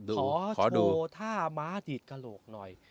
ขอดูท่าม้าดีดกระโหลกหน่อย